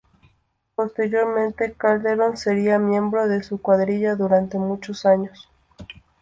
Posteriormente, Calderón sería miembro de su cuadrilla durante muchos años.